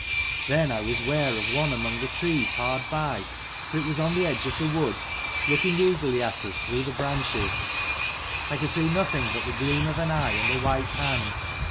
Then I was ware of one among the trees hard by, for it was on the edge of the wood, looking eagerly at us though the branches. I could see nothing but the gleam of an eye, and a white hand.